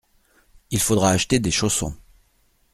Il faudra acheter des chaussons.